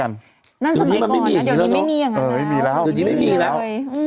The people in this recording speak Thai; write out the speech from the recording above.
นั่นสมัยก่อนนะเดี๋ยวนี้ไม่มีอย่างงั้นนะเออไม่มีแล้วเดี๋ยวนี้ไม่มีแล้ว